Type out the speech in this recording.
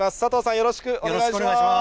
よろしくお願いします。